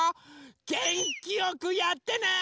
げんきよくやってね！